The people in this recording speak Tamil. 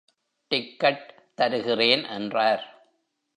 டிக்கட் தருகிறேன் என்றார்.